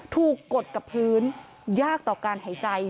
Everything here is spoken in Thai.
กดกับพื้นยากต่อการหายใจ